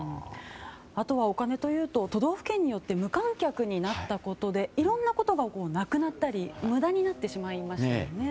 あとはお金というと都道府県によって無観客になったことでいろんなことがなくなったり無駄になってしまいましたよね。